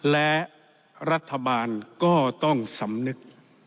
และรัฐบาลก็ต้องสำนึก